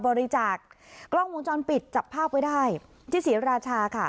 บริจาคกล้องวงจรปิดจับภาพไว้ได้ที่ศรีราชาค่ะ